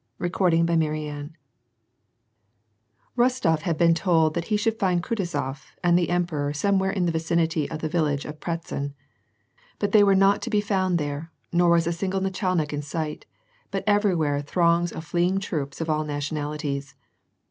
CHAPTEE XVIIL Eostof had been told that he should find Kutuzof and the emperor somewhere in the vicinity of the village of Pratzen. But they were not to be found there, nor was a single nachal nik in sight, but everywhere throngs of fleeing troops of all nationalities.